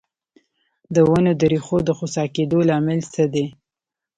د ونو د ریښو د خوسا کیدو لامل څه دی؟